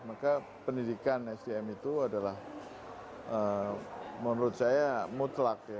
maka pendidikan sdm itu adalah menurut saya mutlak ya